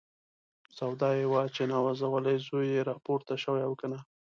سودا یې وه چې نازولی زوی یې راپورته شوی او که نه.